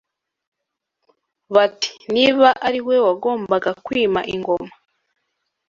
Bati niba ariwe wagombaga kwima ingoma (Umwami),